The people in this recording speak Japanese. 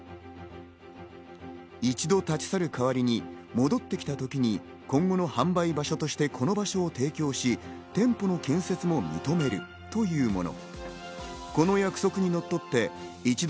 一度立ち去る代わりに戻った時に今後の販売場所としてこの場所を提供し、店舗の建設を認めるというもの。